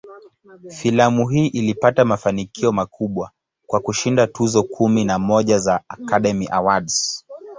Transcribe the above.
Filamu hii ilipata mafanikio makubwa, kwa kushinda tuzo kumi na moja za "Academy Awards".